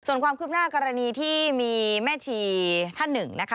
ส่วนความคืบหน้ากรณีที่มีแม่ชีท่านหนึ่งนะคะ